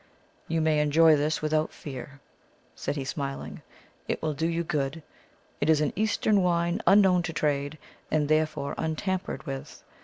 "You may enjoy this without fear," said he, smiling; "it will do you good. It is an Eastern wine, unknown to trade, and therefore untampered with.